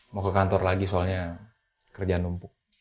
mau ke kantor lagi soalnya kerjaan numpuk